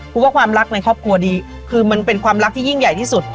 ว่าความรักในครอบครัวดีคือมันเป็นความรักที่ยิ่งใหญ่ที่สุด